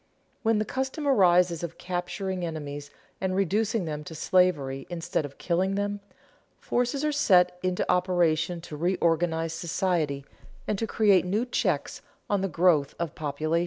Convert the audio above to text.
When the custom arises of capturing enemies and reducing them to slavery instead of killing them, forces are set into operation to reorganize society and to create new checks on the growth of population.